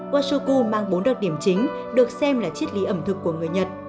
washoku mang bốn đặc điểm chính được xem là chiết lý ẩm thực của người nhật